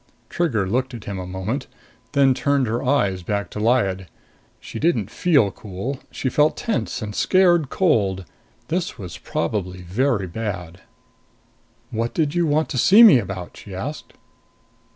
Trigger looked at him a moment, then turned her eyes back to Lyad. She didn't feel cool. She felt tense and scared cold. This was probably very bad! "What did you want to see me about?" she asked.